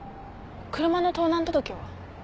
車の盗難届は？